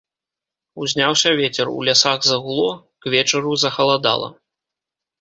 Узняўся вецер, у лясах загуло, к вечару захаладала.